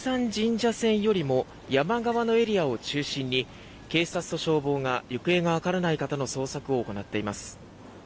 社線よりも山側のエリアを中心に警察と消防が行方がわからない方の捜索を行っています。